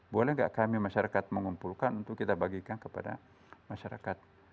boleh nggak kami masyarakat mengumpulkan untuk kita bagikan kepada masyarakat